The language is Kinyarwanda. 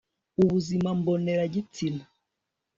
ubuzima mbonera gitsina